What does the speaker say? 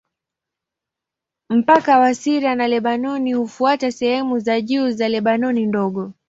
Mpaka wa Syria na Lebanoni hufuata sehemu za juu za Lebanoni Ndogo.